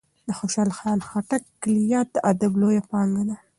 د خوشال خان خټک کلیات د ادب لویه پانګه ده.